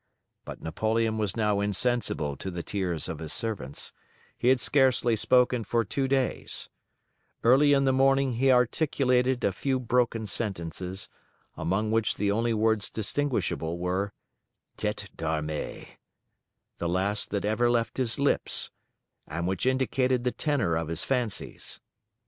But Napoleon was now insensible to the tears of his servants; he had scarcely spoken for two days; early in the morning he articulated a few broken sentences, among which the only words distinguishable were, "tete d'armee," the last that ever left his lips, and which indicated the tenor of his fancies.